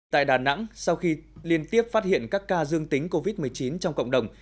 tại đà nẵng sau khi liên tiếp phát hiện các ca dương tính covid một mươi chín trong cộng đồng